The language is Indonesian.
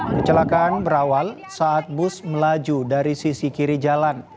kecelakaan berawal saat bus melaju dari sisi kiri jalan